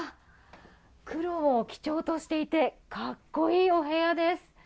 黒を基調としていて格好いいお部屋です！